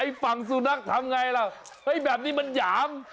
ฝั่งสุนัขทำไงล่ะเฮ้ยแบบนี้มันหยาม